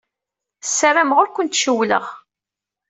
Ssarameɣ ur kent-cewwleɣ.